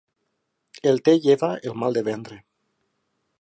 El te lleva el mal de ventre.